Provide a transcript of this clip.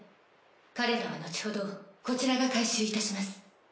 彼らは後ほどこちらが回収いたします。